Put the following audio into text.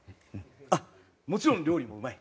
あっもちろん料理もうまい。